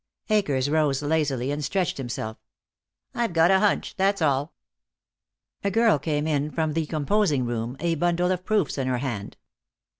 Akers rose lazily and stretched himself. "I've got a hunch. That's all." A girl came in from the composing room, a bundle of proofs in her hand.